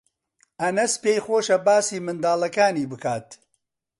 ئەنەس پێی خۆشە باسی منداڵەکانی بکات.